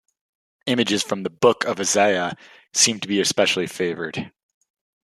Images from the Book of Isaiah seem to be especially favoured.